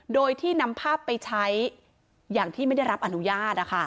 โดยที่นำภาพไปใช้อย่างที่ไม่ได้รับอนุญาต